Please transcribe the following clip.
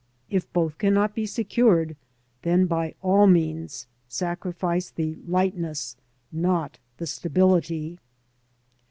If both cannot be secured, then by all means sacrifice the lightness, not the stability.